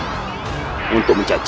aku tidak percaya